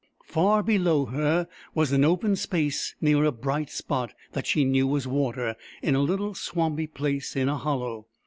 Far below her was an open space near a bright spot that she knew was water in a little swampy place in a hollow.